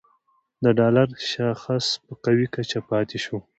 د ډالر شاخص په قوي کچه پاتې شو